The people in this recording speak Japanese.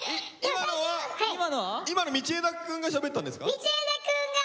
今のは道枝くんがしゃべったんですか？